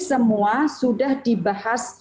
semua sudah dibahas